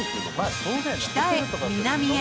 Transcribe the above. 北へ南へ